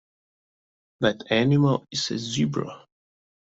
That animal is a Zebra.